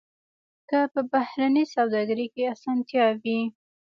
که په بهرنۍ سوداګرۍ کې اسانتیا وي.